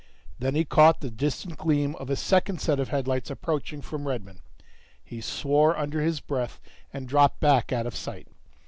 Then he caught the distant gleam of a second set of headlights approaching from Redmon. He swore under his breath and dropped back out of sight.